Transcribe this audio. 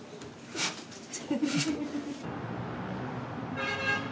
フッフフ。